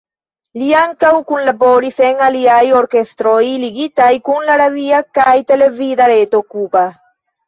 Li ankaŭ kunlaboris en aliaj orkestroj ligitaj kun la radia kaj televida reto kuba.